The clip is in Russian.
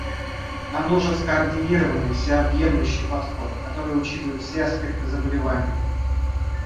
Нам нужен скоординированный, всеобъемлющий подход, который учитывает все аспекты заболевания.